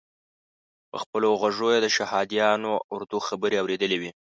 په خپلو غوږو یې د شهادیانو اردو خبرې اورېدلې وې.